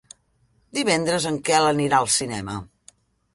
Divendres en Quel anirà al cinema.